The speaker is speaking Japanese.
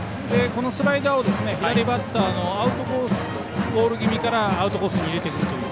このスライダーを左バッターのボール気味からアウトコースに入れてくるという。